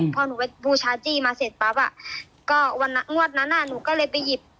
พอหนูไปบูชาจี้มาเสร็จปั๊บอ่ะก็วันงวดนั้นหนูก็เลยไปหยิบ